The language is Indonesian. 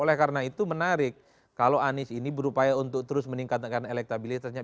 oleh karena itu menarik kalau anies ini berupaya untuk terus meningkatkan elektabilitasnya